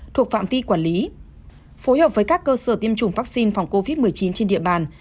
thuộc phạm vi quản lý phối hợp với các cơ sở tiêm chủng vaccine phòng covid một mươi chín trên địa bàn